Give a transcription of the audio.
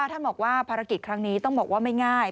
ท่านบอกว่าภารกิจครั้งนี้ต้องบอกว่าไม่ง่าย